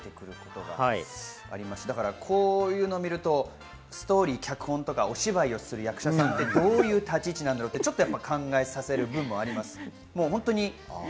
こういうのを見るとストーリー、脚本とかお芝居をする役者さんって、どういう立ち位置なんだろうって考えさせられる部分もあります。